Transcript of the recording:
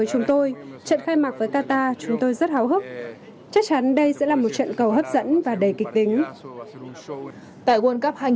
chúng tôi rất hồi hộp chắc chắn đây sẽ là một trận cầu hấp dẫn và đầy kịch tính